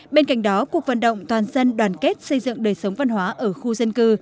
bên cạnh đó cuộc vận động toàn dân đoàn kết xây dựng đời sống văn hóa ở khu dân cư